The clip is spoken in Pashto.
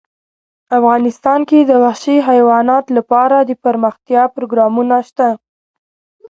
افغانستان کې د وحشي حیوانات لپاره دپرمختیا پروګرامونه شته.